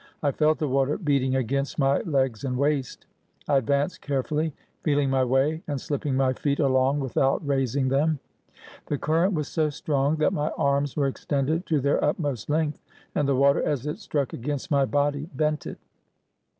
I felt the water beating against my legs and waist. I advanced carefully, feeling my way and slipping my feet along without raising them. The current was so strong that my arms were extended to their utmost length, and the water, as it struck against my body, bent it.